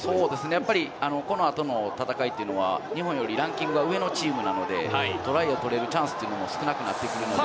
やっぱり、このあとの戦いっていうのは、日本よりランキングが上のチームなので、トライを取れるチャンスというのも少なくなってくるので。